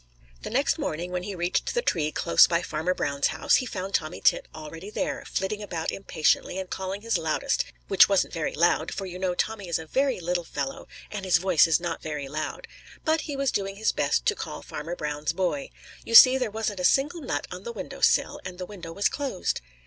The next morning when he reached the tree close by Farmer Brown's house, he found Tommy Tit already there, flitting about impatiently and calling his loudest, which wasn't very loud, for you know Tommy is a very little fellow, and his voice is not very loud. But he was doing his best to call Farmer Brown's boy. You see, there wasn't a single nut on the window sill, and the window was closed.